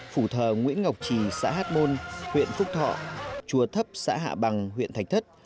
phủ thờ nguyễn ngọc trì xã hát môn huyện phúc thọ chùa thấp xã hạ bằng huyện thạch thất